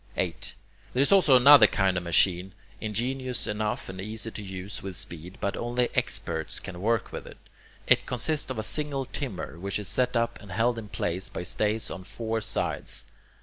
8. There is also another kind of machine, ingenious enough and easy to use with speed, but only experts can work with it. It consists of a single timber, which is set up and held in place by stays on four sides.